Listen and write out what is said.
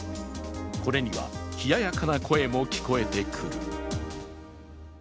これには冷ややかな声も聞こえてくる。